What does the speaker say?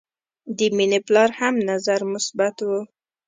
د مینې پلار هم نظر مثبت و